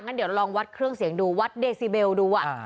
งั้นเดี๋ยวลองวัดเครื่องเสียงดูวัดเดซิเบลดู